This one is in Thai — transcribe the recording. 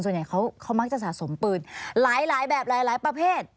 ส่วนใหญ่เขามักจะสะสมปืนหลายแบบหลายประเภท